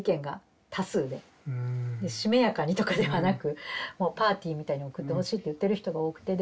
しめやかにとかではなくもうパーティーみたいに送ってほしいって言ってる人が多くてで